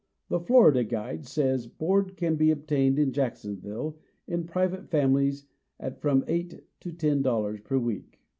"The Florida Guide" says board can be obtained in Jacksonville, in private families, at from eight to ten dollars per week.